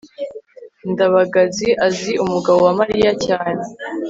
ndabaga azi umugabo wa mariya cyane